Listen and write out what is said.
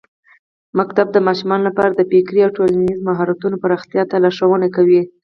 ښوونځی د ماشومانو لپاره د فکري او ټولنیزو مهارتونو پراختیا ته لارښوونه کوي.